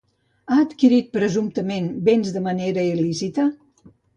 Ha adquirit, presumptament, béns de manera il·lícita?